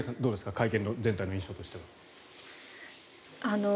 会見の全体の印象としては。